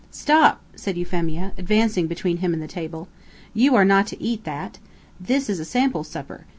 "Stop!" said Euphemia, advancing between him and the table. "You are not to eat that. This is a sample supper.